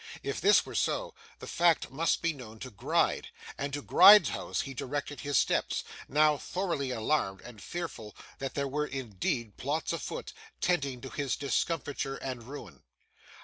If this were so, the fact must be known to Gride; and to Gride's house he directed his steps; now thoroughly alarmed, and fearful that there were indeed plots afoot, tending to his discomfiture and ruin.